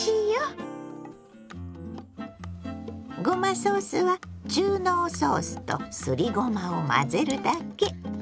ごまソースは中濃ソースとすりごまを混ぜるだけ。